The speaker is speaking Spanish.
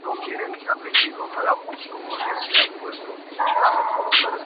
San Isidro en mayo.